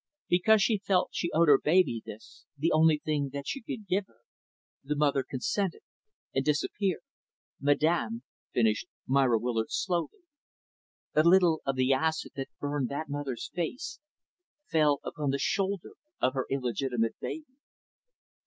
Because she felt she owed her baby this, the only thing that she could give her, the mother consented and disappeared. "Madam," finished Myra Willard, slowly, "a little of the acid that burned that mother's face fell upon the shoulder of her illegitimate baby."